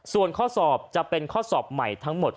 ส่วนข้อสอบจะเป็นข้อสอบใหม่ทั้งหมด